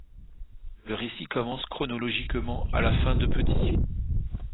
Le récit commence chronologiquement à la fin de Petit.